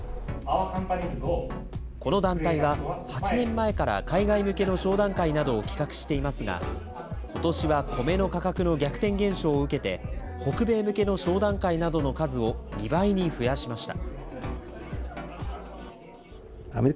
この団体は、８年前から海外向けの商談会などを企画していますが、ことしはコメの価格の逆転現象を受けて、北米向けの商談会などの数を２倍に増やしました。